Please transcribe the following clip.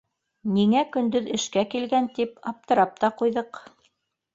Ниңә көндөҙ эшкә килгән, тип аптырап та ҡуйҙыҡ.